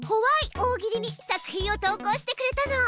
大喜利」に作品を投こうしてくれたの。